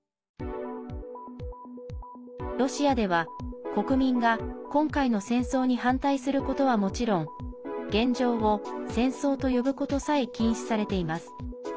ロシアでは国民が今回の戦争に反対することはもちろん現状を戦争と呼ぶことさえ禁止されています。